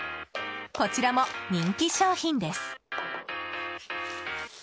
こちらも人気商品です。